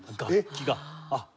あっ。